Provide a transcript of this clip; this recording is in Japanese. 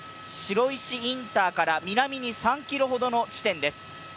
白石インターから南に３ｋｍほどの地点です。